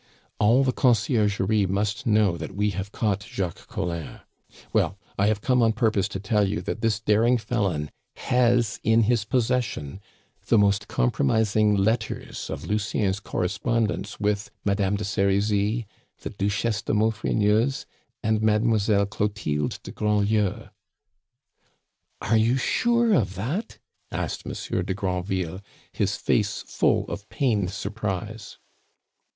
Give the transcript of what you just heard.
"All the Conciergerie must know that we have caught Jacques Collin. Well, I have come on purpose to tell you that this daring felon has in his possession the most compromising letters of Lucien's correspondence with Madame de Serizy, the Duchesse de Maufrigneuse, and Mademoiselle Clotilde de Grandlieu." "Are you sure of that?" asked Monsieur de Granville, his face full of pained surprise.